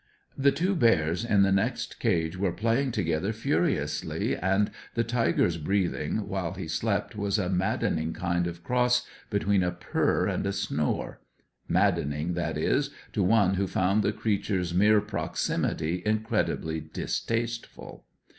The two bears in the next cage were playing together fubsily, and the tiger's breathing while he slept was a maddening kind of cross between a purr and a snore; maddening, that is, to one who found the creature's mere proximity incredibly distasteful.